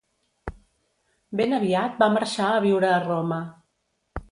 Ben aviat va marxar a viure a Roma.